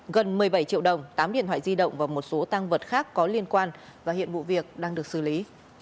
gần một mươi bảy triệu đồng tám điện thoại di động và một số tăng vật khác có liên quan và hiện vụ việc đang được xử lý